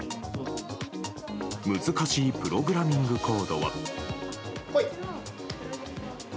難しいプログラミングコードを。